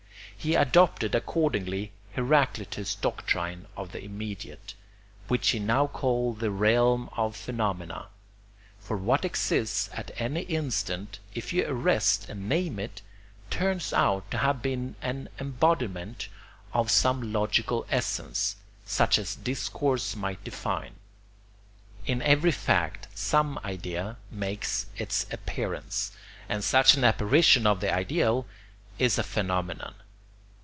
He adopted, accordingly, Heraclitus's doctrine of the immediate, which he now called the realm of phenomena; for what exists at any instant, if you arrest and name it, turns out to have been an embodiment of some logical essence, such as discourse might define; in every fact some idea makes its appearance, and such an apparition of the ideal is a phenomenon.